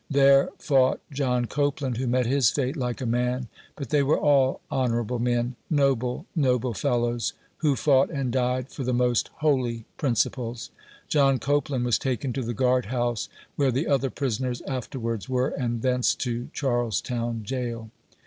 There fought John Copeland, who met his fate like a man. But they were all " honorable men," noble, noble fellows, who fought and died for the most holy principles. John Copeland was taken to the guard house, where the other prisoners afterwards were, and thence to Charlestown jail.